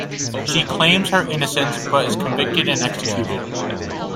She claims her innocence, but is convicted and executed.